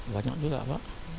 banyak juga pak